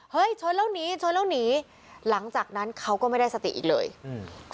ชนแล้วหนีชนแล้วหนีหลังจากนั้นเขาก็ไม่ได้สติอีกเลยอืม